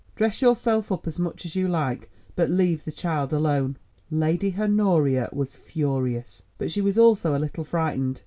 Dress yourself up as much as you like, but leave the child alone." Lady Honoria was furious, but she was also a little frightened.